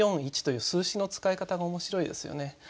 「一」という数詞の使い方が面白いですよね。